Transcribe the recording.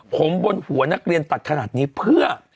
ผมบนหัวนักเรียนตัดขนาดนี้เพื่อ